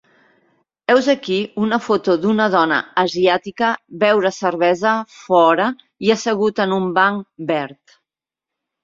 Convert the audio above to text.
Heus aquí una foto d'una dona asiàtica beure cervesa fora i assegut en un banc verd